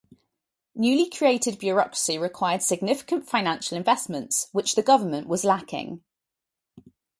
Newly created bureaucracy required significant financial investments, which the government was lacking.